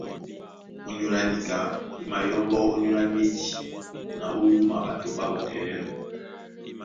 Ónyólá níka, e mayɔ́mbɔ́ ónyólá médi na ó wúma ɓato ɓá mɔ́kɛlɛ́nɔ̄.